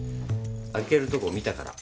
開けるとこ見たから。